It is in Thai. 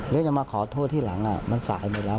แล้วจะมาขอโทษที่หลังมันสายหมดแล้ว